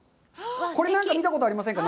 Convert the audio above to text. これ、何か見たことありませんか？